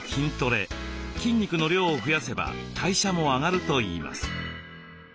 筋肉の量を増やせば代謝も上がるといいます。